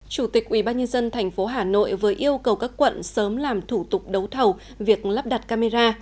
chủ tịch ubnd tp hà nội vừa yêu cầu các quận sớm làm thủ tục đấu thầu việc lắp đặt camera